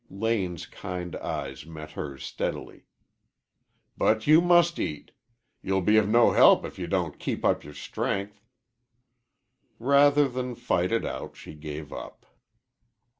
Lane's kind eyes met hers steadily. "But you must eat. You'll be of no help if you don't keep up your strength." Rather than fight it out, she gave up.